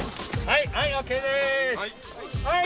はい！